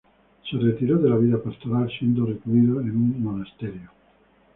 Se retiró de la vida pastoral, siendo recluido en un monasterio.